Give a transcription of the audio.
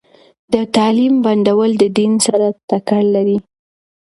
د تعليم بندول د دین سره ټکر لري.